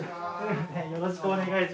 よろしくお願いします。